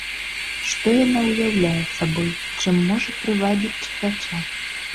Што яна ўяўляе сабой, чым можа прывабіць чытача?